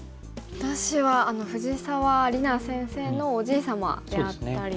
私は藤沢里菜先生のおじい様であったりとか。